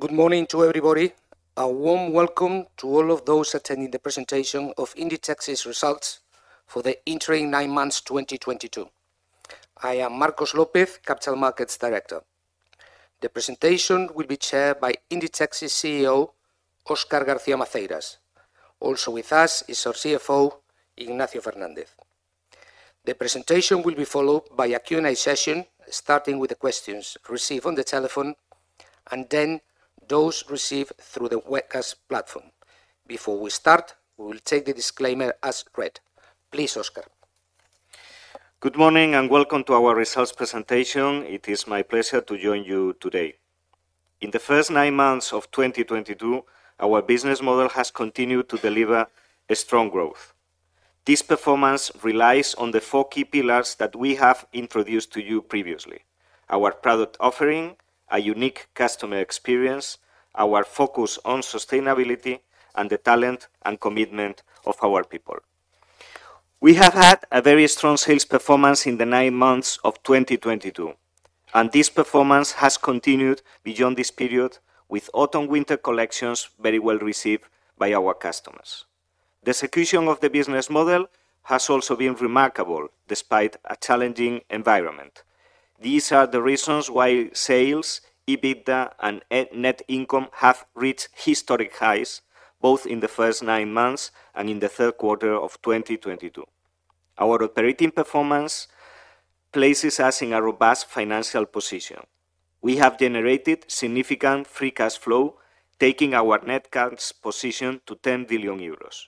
Good morning to everybody. A warm welcome to all of those attending the presentation of Inditex's results for the interim 9 months 2022. I am Marcos López, Capital Markets Director. The presentation will be chaired by Inditex's CEO, Oscar Garcia Maceiras. Also with us is our CFO, Ignacio Fernandez. The presentation will be followed by a Q&A session, starting with the questions received on the telephone and then those received through the Webex platform. Before we start, we will take the disclaimer as read. Please, Oscar. Good morning and welcome to our results presentation. It is my pleasure to join you today. In the first nine months of 2022, our business model has continued to deliver a strong growth. This performance relies on the four key pillars that we have introduced to you previously. Our product offering, a unique customer experience, our focus on sustainability, and the talent and commitment of our people. We have had a very strong sales performance in the nine months of 2022, and this performance has continued beyond this period with autumn/winter collections very well received by our customers. The execution of the business model has also been remarkable despite a challenging environment. These are the reasons why sales, EBITDA, and net income have reached historic highs, both in the first nine months and in the third quarter of 2022. Our operating performance places us in a robust financial position. We have generated significant free cash flow, taking our net cash position to 10 billion euros.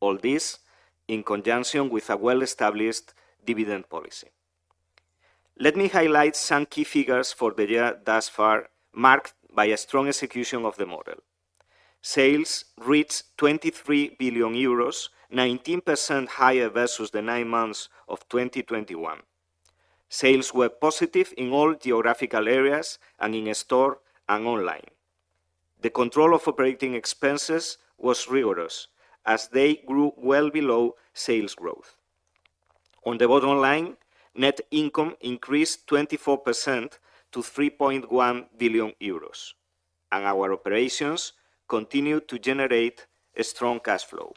All this in conjunction with a well-established dividend policy. Let me highlight some key figures for the year thus far, marked by a strong execution of the model. Sales reached 23 billion euros, 19% higher versus the nine months of 2021. Sales were positive in all geographical areas and in store and online. The control of OpEx was rigorous as they grew well below sales growth. On the bottom line, net income increased 24% to 3.1 billion euros. Our operations continue to generate a strong cash flow.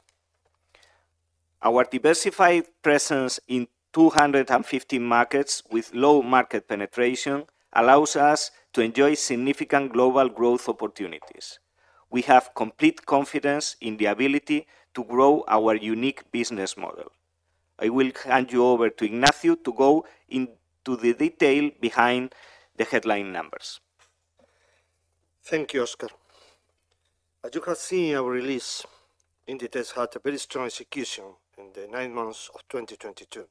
Our diversified presence in 250 markets with low market penetration allows us to enjoy significant global growth opportunities. We have complete confidence in the ability to grow our unique business model. I will hand you over to Ignacio to go into the detail behind the headline numbers. Thank you, Oscar. As you have seen in our release, Inditex had a very strong execution in the 9 months of 2022,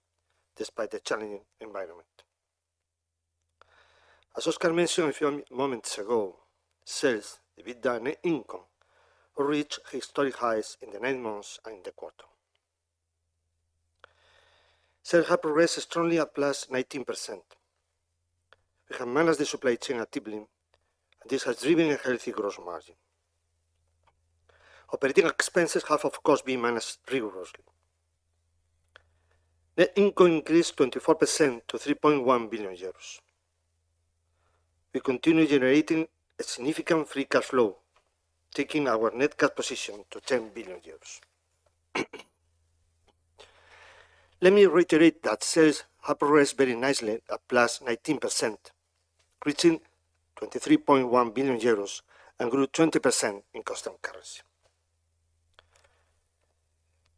despite the challenging environment. As Oscar mentioned a few moments ago, sales, EBITDA, and net income reached historic highs in the 9 months and the quarter. Sales have progressed strongly at +19%. We have managed the supply chain actively. This has driven a healthy gross margin. Operating expenses have, of course, been managed rigorously. Net income increased 24% to 3.1 billion euros. We continue generating a significant free cash flow, taking our net cash position to 10 billion euros. Let me reiterate that sales have progressed very nicely at +19%, reaching 23.1 billion euros and grew 20% in constant currency.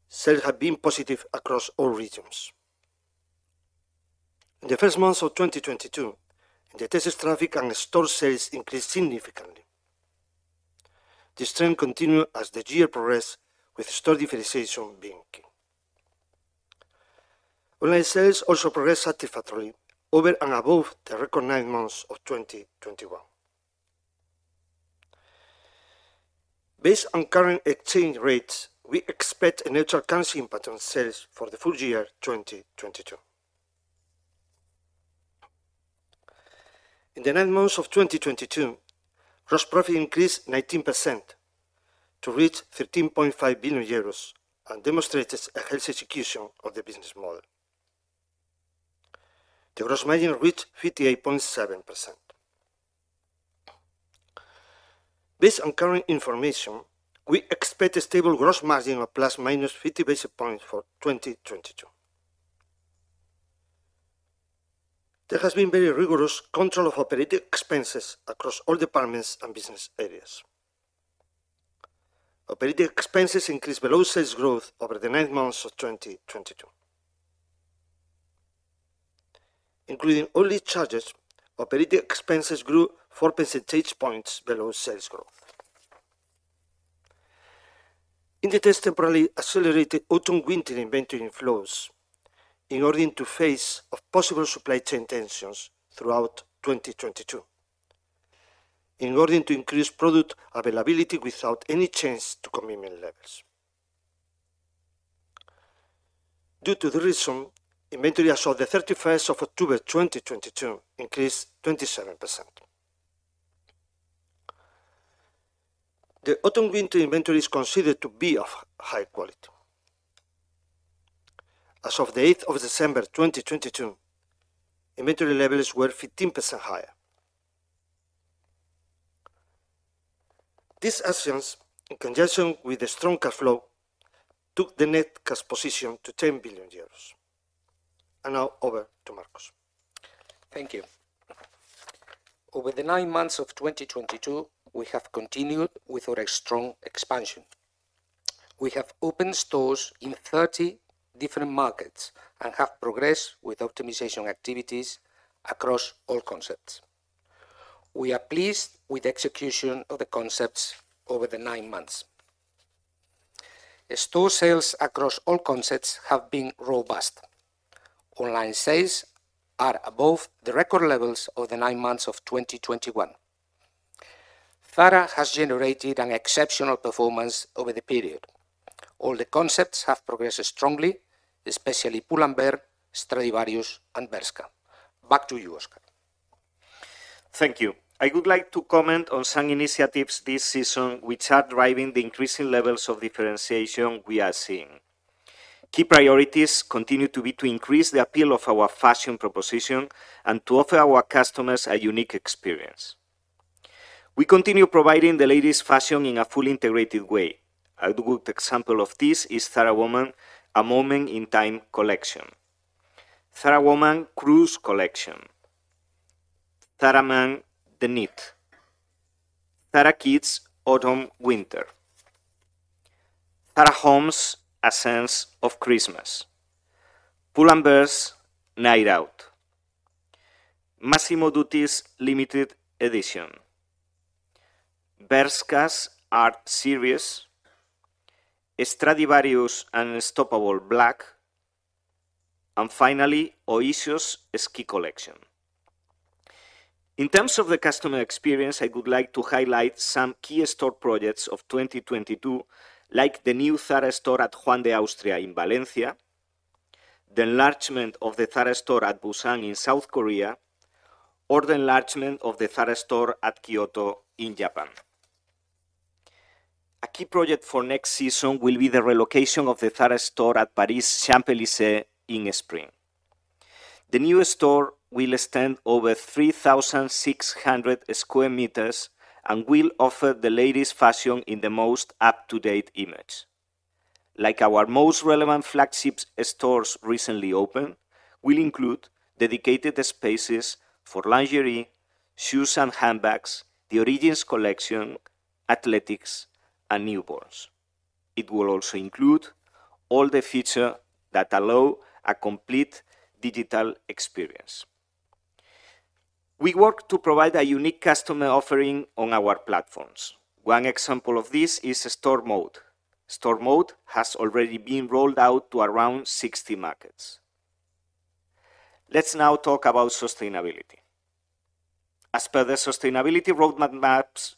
Sales have been positive across all regions. In the first months of 2022, Inditex's traffic and store sales increased significantly. This trend continued as the year progressed with store differentiation being key. Online sales also progressed satisfactorily over and above the record 9 months of 2021. Based on current exchange rates, we expect a neutral currency impact on sales for the full year 2022. In the 9 months of 2022, gross profit increased 19% to reach 13.5 billion euros and demonstrated a healthy execution of the business model. The gross margin reached 58.7%. Based on current information, we expect a stable gross margin of ±50 basis points for 2022. There has been very rigorous control of operating expenses across all departments and business areas. Operating expenses increased below sales growth over the 9 months of 2022. Including all lead charges, operating expenses grew four percentage points below sales growth. Inditex temporarily accelerated autumn/winter inventory flows in order to face possible supply chain tensions throughout 2022, in order to increase product availability without any change to commitment levels. Due to the reason, inventory as of the 31st of October 2022 increased 27%. The autumn/winter inventory is considered to be of high quality. As of the 8th of December 2022, inventory levels were 15% higher. These actions, in conjunction with the strong cash flow, took the net cash position to 10 billion euros. Now over to Marcos. Thank you. Over the nine months of 2022, we have continued with our strong expansion. We have opened stores in 30 different markets and have progressed with optimization activities across all concepts. We are pleased with the execution of the concepts over the nine months. The store sales across all concepts have been robust. Online sales are above the record levels of the nine months of 2021. Zara has generated an exceptional performance over the period. All the concepts have progressed strongly, especially Pull&Bear, Stradivarius, and Bershka. Back to you, Oscar. Thank you. I would like to comment on some initiatives this season which are driving the increasing levels of differentiation we are seeing. Key priorities continue to be to increase the appeal of our fashion proposition and to offer our customers a unique experience. We continue providing the latest fashion in a fully integrated way. A good example of this is Zara Woman: A Moment in Time collection, Zara Woman Cruise collection, Zara Man The Knit, Zara Kids Autumn/Winter, Zara Home's Essence of Christmas, Pull&Bear's Night Out, Massimo Dutti's limited edition, Bershka's Art Series, Stradivarius' Unstoppable Black, and finally, Oysho's Ski Collection. In terms of the customer experience, I would like to highlight some key store projects of 2022, like the new Zara store at Juan de Austria in Valencia, the enlargement of the Zara store at Busan in South Korea, or the enlargement of the Zara store at Kyoto in Japan. A key project for next season will be the relocation of the Zara store at Paris' Champs-Élysées in spring. The new store will extend over 3,600 square meters and will offer the latest fashion in the most up-to-date image. Like our most relevant flagship stores recently opened, will include dedicated spaces for lingerie, shoes and handbags, the Origins Collection, athletics, and newborns. It will also include all the features that allow a complete digital experience. We work to provide a unique customer offering on our platforms. One example of this is Store Mode. Store Mode has already been rolled out to around 60 markets. Let's now talk about sustainability. As per the sustainability roadmap maps,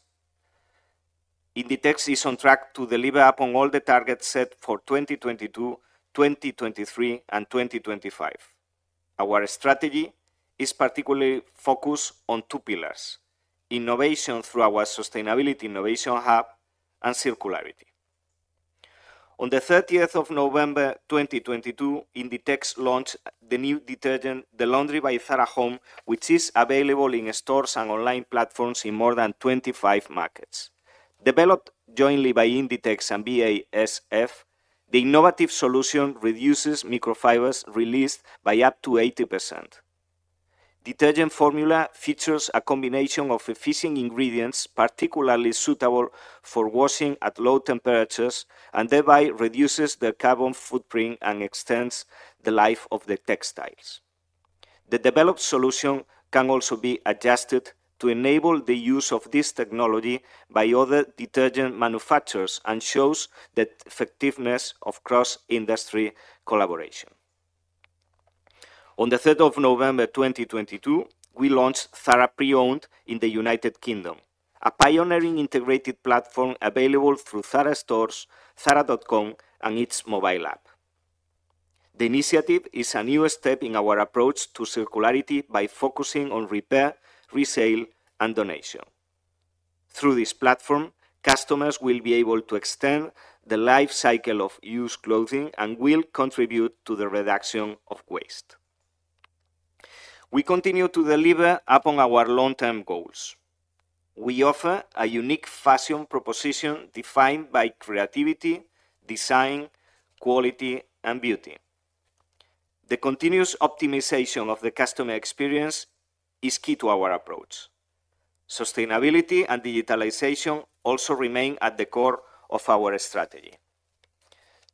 Inditex is on track to deliver upon all the targets set for 2022, 2023, and 2025. Our strategy is particularly focused on two pillars, innovation through our Sustainability Innovation Hub and circularity. On the 30th of November, 2022, Inditex launched the new detergent, The Laundry by Zara Home, which is available in stores and online platforms in more than 25 markets. Developed jointly by Inditex and BASF, the innovative solution reduces microfibers released by up to 80%. Detergent formula features a combination of efficient ingredients, particularly suitable for washing at low temperatures, and thereby reduces the carbon footprint and extends the life of the textiles. The developed solution can also be adjusted to enable the use of this technology by other detergent manufacturers and shows the effectiveness of cross-industry collaboration. On the 3rd of November, 2022, we launched Zara Pre-Owned in the United Kingdom, a pioneering integrated platform available through Zara stores, zara.com, and its mobile app. The initiative is a new step in our approach to circularity by focusing on repair, resale, and donation. Through this platform, customers will be able to extend the life cycle of used clothing and will contribute to the reduction of waste. We continue to deliver upon our long-term goals. We offer a unique fashion proposition defined by creativity, design, quality, and beauty. The continuous optimization of the customer experience is key to our approach. Sustainability and digitalization also remain at the core of our strategy.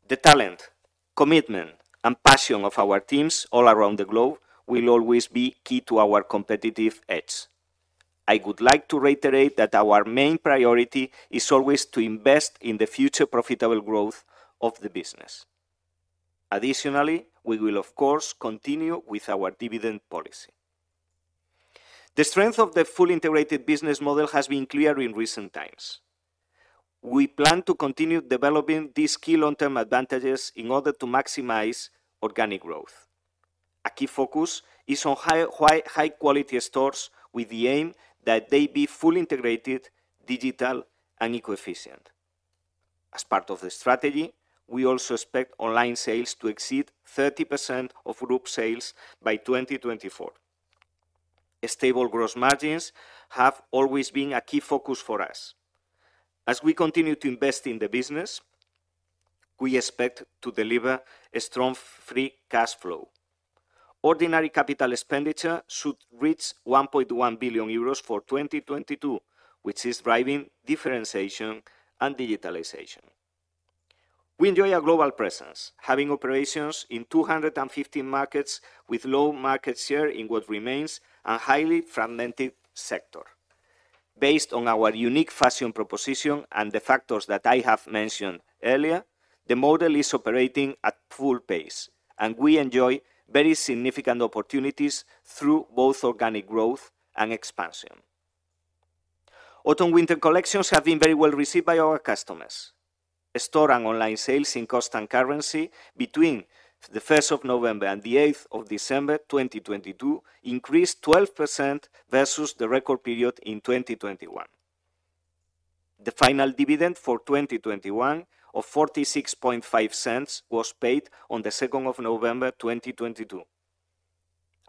The talent, commitment, and passion of our teams all around the globe will always be key to our competitive edge. I would like to reiterate that our main priority is always to invest in the future profitable growth of the business. Additionally, we will of course, continue with our dividend policy. The strength of the fully integrated business model has been clear in recent times. We plan to continue developing these key long-term advantages in order to maximize organic growth. A key focus is on high, high, high-quality stores with the aim that they be fully integrated, digital, and eco-efficient. As part of the strategy, we also expect online sales to exceed 30% of group sales by 2024. Stable gross margins have always been a key focus for us. As we continue to invest in the business, we expect to deliver a strong free cash flow. Ordinary capital expenditure should reach 1.1 billion euros for 2022, which is driving differentiation and digitalization. We enjoy a global presence, having operations in 250 markets with low market share in what remains a highly fragmented sector. Based on our unique fashion proposition and the factors that I have mentioned earlier, the model is operating at full pace, and we enjoy very significant opportunities through both organic growth and expansion. Autumn/winter collections have been very well received by our customers. Store and online sales in constant currency between the first of November and the eighth of December 2022 increased 12% versus the record period in 2021. The final dividend for 2021 of 0.465 was paid on the second of November 2022.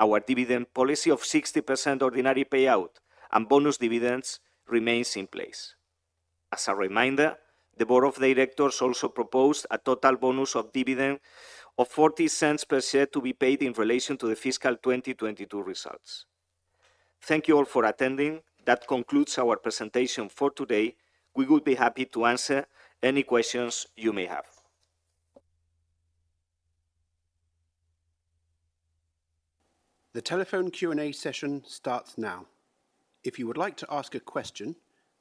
Our dividend policy of 60% ordinary payout and bonus dividends remains in place. As a reminder, the board of directors also proposed a total bonus of dividend of 0.40 per share to be paid in relation to the fiscal 2022 results. Thank you all for attending. That concludes our presentation for today. We will be happy to answer any questions you may have. The telephone Q&A session starts now. If you would like to ask a question,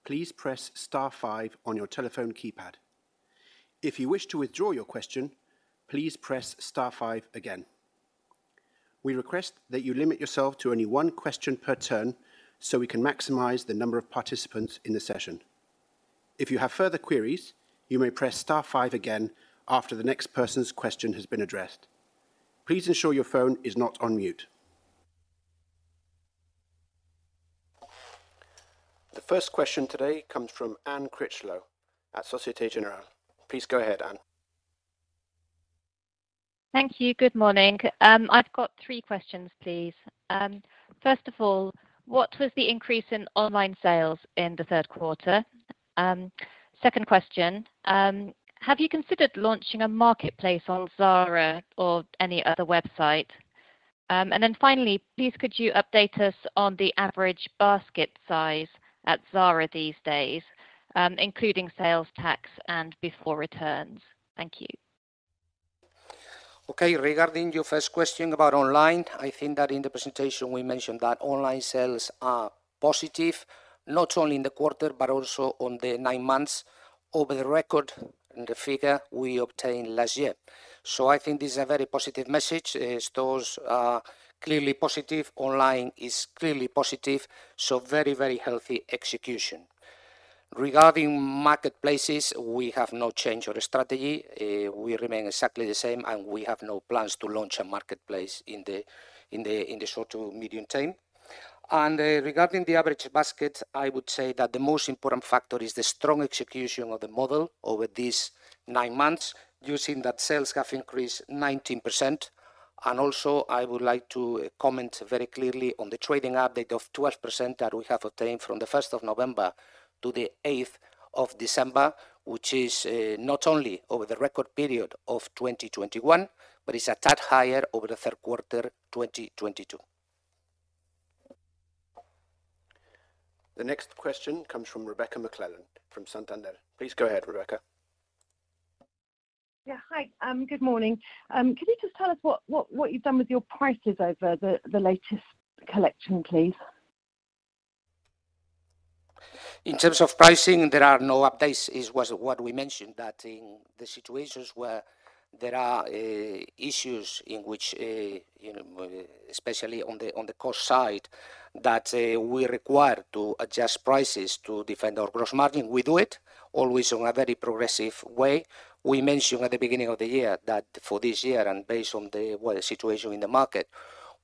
please press star five on your telephone keypad. If you wish to withdraw your question, please press star five again. We request that you limit yourself to only one question per turn so we can maximize the number of participants in the session. If you have further queries, you may press star five again after the next person's question has been addressed. Please ensure your phone is not on mute. The first question today comes from Anne Critchlow at Societe Generale. Please go ahead, Anne. Thank you. Good morning. I've got three questions, please. First of all, what was the increase in online sales in the third quarter? Second question, have you considered launching a marketplace on Zara or any other website? Finally, please could you update us on the average basket size at Zara these days, including sales tax and before returns? Thank you. Okay. Regarding your first question about online, I think that in the presentation we mentioned that online sales are positive, not only in the quarter but also on the 9 months over the record and the figure we obtained last year. I think this is a very positive message. Stores are clearly positive. Online is clearly positive, so very healthy execution. Regarding marketplaces, we have no change or strategy. We remain exactly the same, and we have no plans to launch a marketplace in the short to medium term. Regarding the average basket, I would say that the most important factor is the strong execution of the model over these 9 months, using that sales have increased 19%. Also I would like to comment very clearly on the trading update of 12% that we have obtained from the 1st of November to the 8th of December, which is not only over the record period of 2021 but is a tad higher over the third quarter 2022. The next question comes from Rebecca McClellan from Santander. Please go ahead, Rebecca. Yeah. Hi. Good morning. Could you just tell us what you've done with your prices over the latest collection, please? In terms of pricing, there are no updates. It was what we mentioned that in the situations where there are issues in which, you know, especially on the cost side, that we're required to adjust prices to defend our gross margin. We do it always in a very progressive way. We mentioned at the beginning of the year that for this year and based on the, well, the situation in the market,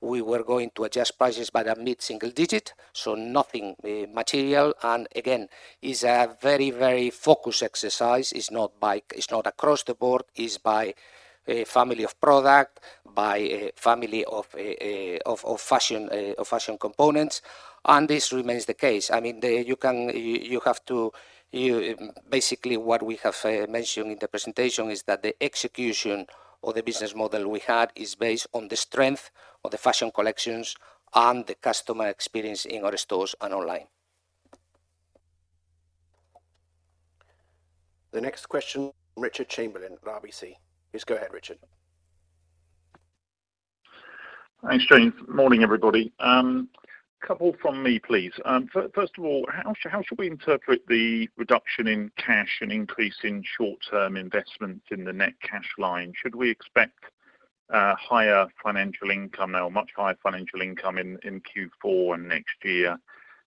we were going to adjust prices by the mid-single digit, so nothing material. Again, it's a very, very focused exercise. It's not across the board. It's by a family of product, by a family of fashion, of fashion components, and this remains the case. I mean, you have to. Basically, what we have mentioned in the presentation is that the execution of the business model we have is based on the strength of the fashion collections and the customer experience in our stores and online. The next question, Richard Chamberlain, RBC. Please go ahead, Richard. Thanks, James. Morning, everybody. Couple from me, please. First of all, how should we interpret the reduction in cash and increase in short-term investments in the net cash line? Should we expect higher financial income now, much higher financial income in Q4 and next year?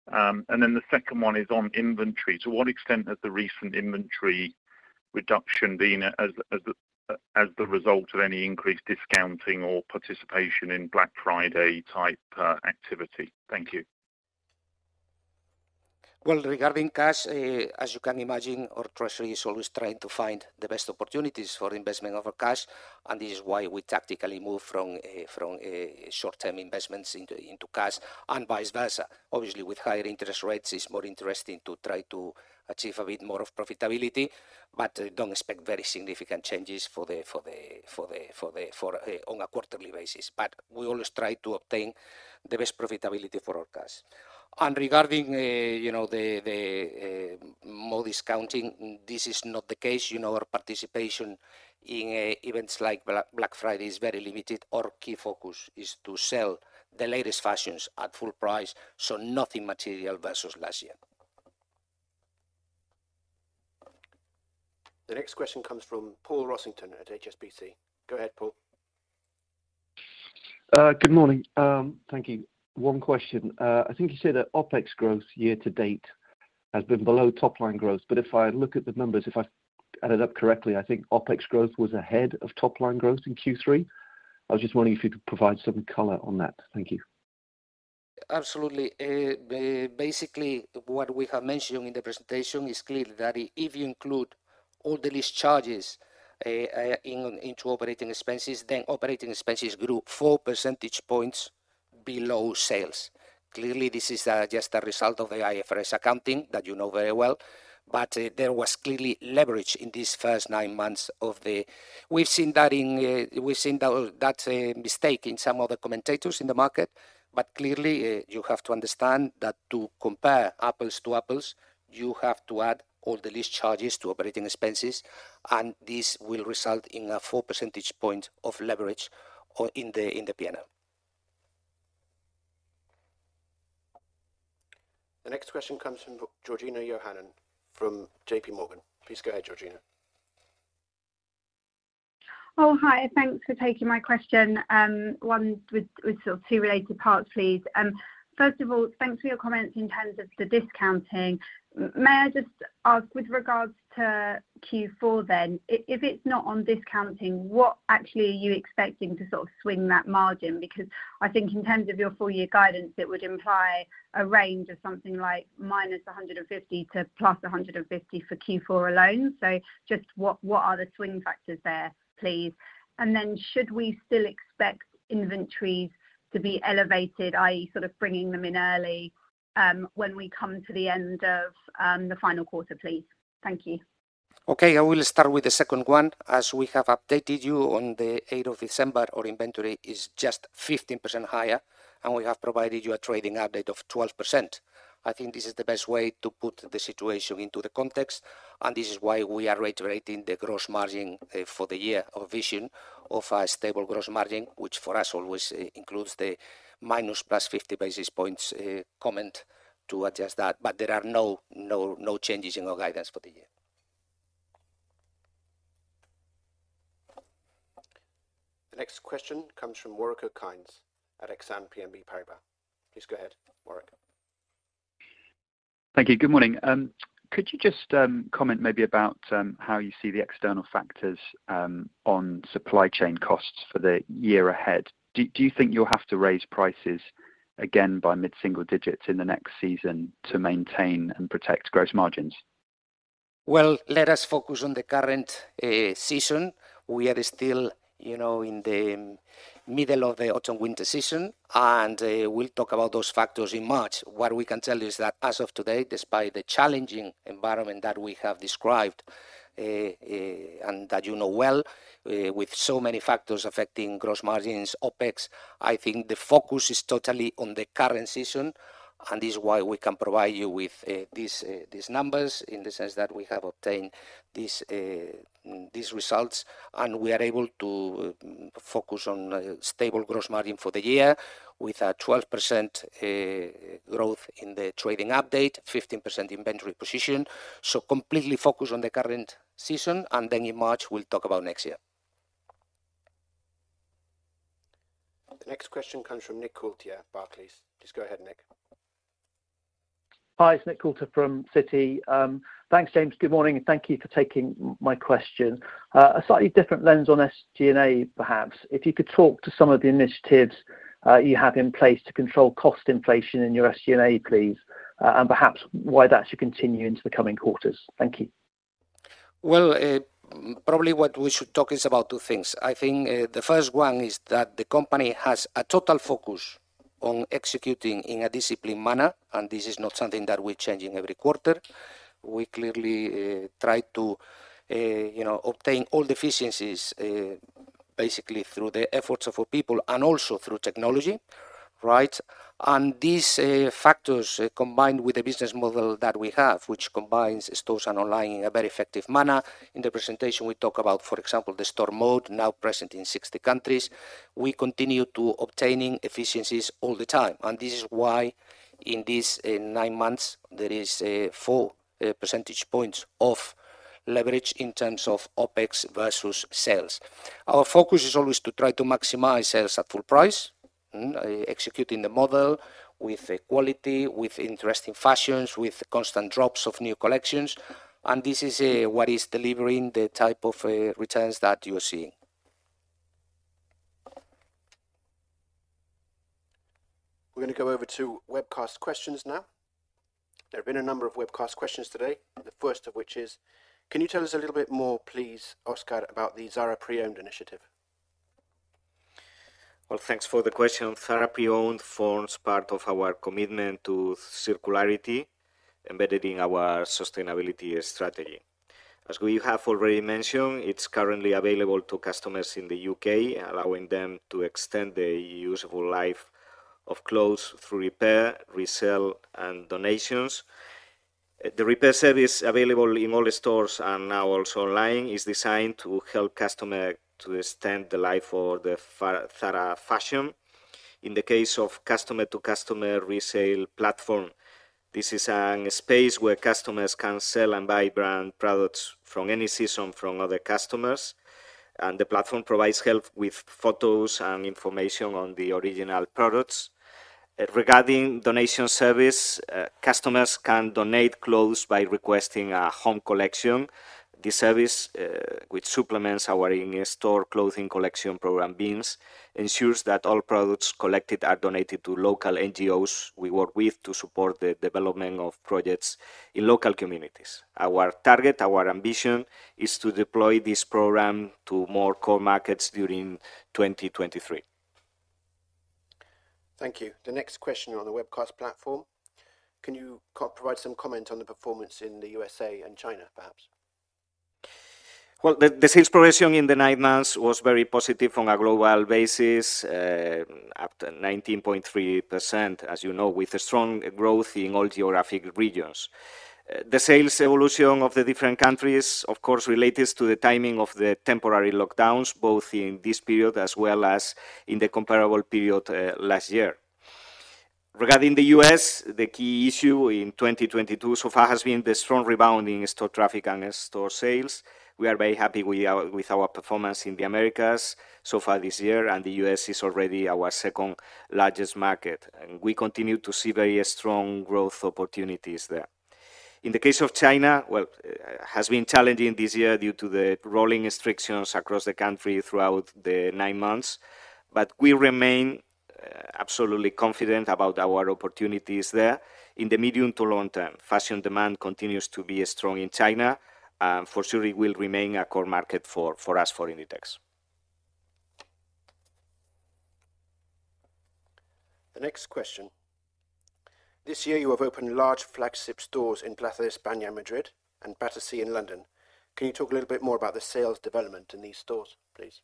The second one is on inventory. To what extent has the recent inventory reduction been as the result of any increased discounting or participation in Black Friday type activity? Thank you. Well, regarding cash, as you can imagine, our treasury is always trying to find the best opportunities for investment of our cash. This is why we tactically move from short-term investments into cash and vice versa. Obviously, with higher interest rates, it's more interesting to try to achieve a bit more of profitability. Don't expect very significant changes for the on a quarterly basis. We always try to obtain the best profitability for our cash. Regarding, you know, the more discounting, this is not the case. You know our participation in events like Black Friday is very limited. Our key focus is to sell the latest fashions at full price. Nothing material versus last year. The next question comes from Paul Rossington at HSBC. Go ahead, Paul. Good morning. Thank you. One question. I think you said that OpEx growth year-to-date has been below top line growth. If I look at the numbers, if I added up correctly, I think OpEx growth was ahead of top line growth in Q3. I was just wondering if you could provide some color on that. Thank you. Absolutely. Basically, what we have mentioned in the presentation is clearly that if you include all the lease charges into operating expenses, then operating expenses grew 4 percentage points below sales. Clearly, this is just a result of the IFRS accounting that you know very well. There was clearly leverage in these first 9 months of the. That's a mistake in some of the commentators in the market. Clearly, you have to understand that to compare apples to apples, you have to add all the lease charges to operating expenses, and this will result in a 4 percentage point of leverage or in the P&L. The next question comes from Georgina Johanan from JPMorgan. Please go ahead, Georgina. Hi. Thanks for taking my question. One with sort of two related parts, please. First of all, thanks for your comments in terms of the discounting. May I just ask with regards to Q4 then, if it's not on discounting, what actually are you expecting to sort of swing that margin? Because I think in terms of your full year guidance, it would imply a range of something like -150 to +150 for Q4 alone. Just what the swing factors there, please? Then should we still expect inventories to be elevated, i.e. bringing them in early, when we come to the end of the final quarter, please. Thank you. Okay. I will start with the second one. As we have updated you on the eighth of December, our inventory is just 15% higher. We have provided you a trading update of 12%. I think this is the best way to put the situation into the context. This is why we are reiterating the gross margin for the year of vision of a stable gross margin, which for us always includes the minus plus 50 basis points comment to adjust that. There are no changes in our guidance for the year. The next question comes from Warwick Okines at Exane BNP Paribas. Please go ahead, Warwick. Thank you. Good morning. Could you just comment maybe about how you see the external factors on supply chain costs for the year ahead? Do you think you'll have to raise prices again by mid-single digits in the next season to maintain and protect gross margins? Well, let us focus on the current season. We are still, you know, in the middle of the autumn-winter season. We'll talk about those factors in March. What we can tell you is that as of today, despite the challenging environment that we have described and that you know well, with so many factors affecting gross margins, OpEx, I think the focus is totally on the current season. This is why we can provide you with these numbers in the sense that we have obtained these results. We are able to focus on a stable gross margin for the year with a 12% growth in the trading update, 15% inventory position. Completely focused on the current season. In March, we'll talk about next year. The next question comes from Nicolas Champ at Barclays. Please go ahead, Nick. Hi. It's Nicolas Champ from Citi. Thanks, James. Good morning. Thank you for taking my question. A slightly different lens on SG&A, perhaps. If you could talk to some of the initiatives, you have in place to control cost inflation in your SG&A, please, and perhaps why that should continue into the coming quarters. Thank you. Well, probably what we should talk is about two things. I think, the first one is that the company has a total focus on executing in a disciplined manner. This is not something that we're changing every quarter. We clearly try to, you know, obtain all the efficiencies basically through the efforts of our people and also through technology, right? These factors combined with the business model that we have, which combines stores and online in a very effective manner. In the presentation, we talk about, for example, the Store Mode now present in 60 countries. We continue to obtaining efficiencies all the time. This is why in these 9 months, there is a 4 percentage points of leverage in terms of OpEx versus sales. Our focus is always to try to maximize sales at full price Executing the model with quality, with interesting fashions, with constant drops of new collections, and this is what is delivering the type of returns that you are seeing. We're gonna go over to webcast questions now. There have been a number of webcast questions today, the first of which is: Can you tell us a little bit more, please, Oscar, about the Zara Pre-Owned initiative? Well, thanks for the question. Zara Pre-Owned forms part of our commitment to circularity embedded in our sustainability strategy. As we have already mentioned, it's currently available to customers in the UK, allowing them to extend the usable life of clothes through repair, resell, and donations. The repair service available in all stores and now also online is designed to help customer to extend the life of the Zara fashion. In the case of customer-to-customer resale platform, this is an space where customers can sell and buy brand products from any season from other customers. The platform provides help with photos and information on the original products. Regarding donation service, customers can donate clothes by requesting a home collection. This service, which supplements our in-store clothing collection program bins, ensures that all products collected are donated to local NGOs we work with to support the development of projects in local communities. Our target, our ambition, is to deploy this program to more core markets during 2023. Thank you. The next question on the webcast platform: Can you co-provide some comment on the performance in the USA and China, perhaps? Well, the sales progression in the nine months was very positive from a global basis, up to 19.3%, as you know, with a strong growth in all geographic regions. The sales evolution of the different countries, of course, relates to the timing of the temporary lockdowns, both in this period as well as in the comparable period last year. Regarding the U.S., the key issue in 2022 so far has been the strong rebound in store traffic and in-store sales. We are very happy with our performance in the Americas so far this year, and the U.S. is already our second-largest market. We continue to see very strong growth opportunities there. In the case of China, well, has been challenging this year due to the rolling restrictions across the country throughout the nine months. we remain absolutely confident about our opportunities there. In the medium to long term, fashion demand continues to be strong in China, and for sure it will remain a core market for us, for Inditex. The next question. This year, you have opened large flagship stores in Plaza España, Madrid, and Battersea in London. Can you talk a little bit more about the sales development in these stores, please?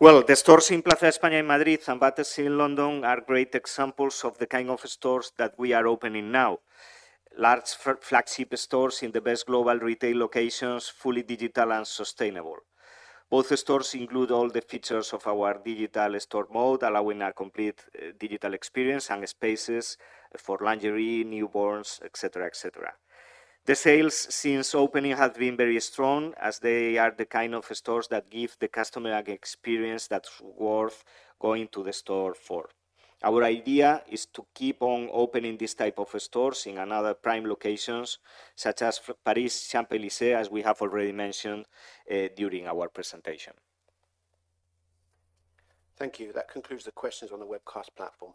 Well, the stores in Plaza España in Madrid and Battersea in London are great examples of the kind of stores that we are opening now. Large flagship stores in the best global retail locations, fully digital and sustainable. Both stores include all the features of our digital Store Mode, allowing a complete digital experience and spaces for lingerie, newborns, et cetera, et cetera. The sales since opening have been very strong, as they are the kind of stores that give the customer an experience that's worth going to the store for. Our idea is to keep on opening this type of stores in another prime locations such as Paris, Champs-Élysées, as we have already mentioned during our presentation. Thank you. That concludes the questions on the webcast platform.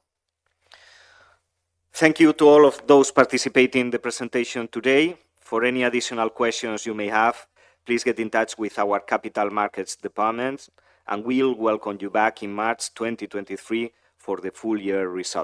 Thank you to all of those participating in the presentation today. For any additional questions you may have, please get in touch with our capital markets departments. We'll welcome you back in March 2023 for the full year results.